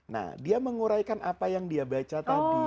nah dia menguraikan apa yang dia baca tadi